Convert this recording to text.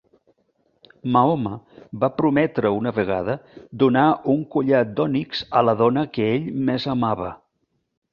Mahoma va prometre una vegada donar un collar d'ònix a la dona que ell més amava.